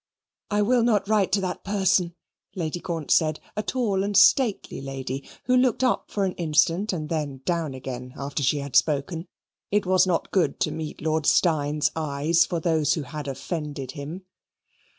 "I will not write to that person," Lady Gaunt said, a tall and stately lady, who looked up for an instant and then down again after she had spoken. It was not good to meet Lord Steyne's eyes for those who had offended him.